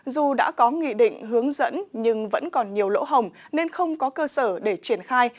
dù đã có nghị định hướng dẫn nhưng vẫn còn nhiều lỗ hồng nên không có cơ sở để triển khai